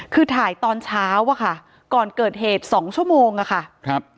คือถ่ายตอนเช้าค่ะก่อนเกิดเหตุ๒ชั่วโมงค่ะ